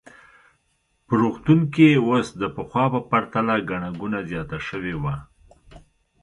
په روغتون کې اوس د پخوا په پرتله ګڼه ګوڼه زیاته شوې وه.